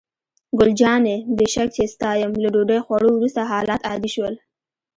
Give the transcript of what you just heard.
ګل جانې: بې شک چې ستا یم، له ډوډۍ خوړو وروسته حالات عادي شول.